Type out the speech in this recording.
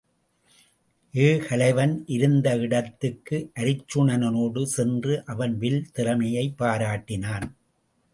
ஏகலைவன் இருந்த இடத்துக்கு அருச்சுனனோடு சென்று அவன் வில் திறமையைப் பாராட்டினான்.